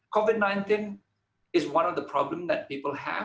covid sembilan belas adalah salah satu masalah yang orang punya